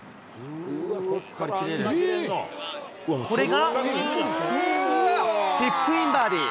これが、チップインバーディー。